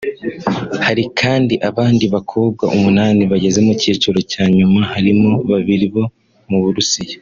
Hari kandi abandi bakobwa umunani bageze mu cyiciro cya nyuma harimo babiri bo mu Burusiya